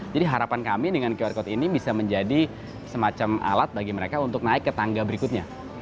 jadi harapan kami dengan qr code ini bisa menjadi semacam alat bagi mereka untuk naik ke tangga berikutnya